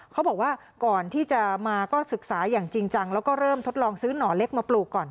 เขาบอกว่าก่อนที่จะมาก็ศึกษาอย่างจริงจังแล้วก็เริ่มทดลองซื้อหน่อเล็กมาปลูกก่อน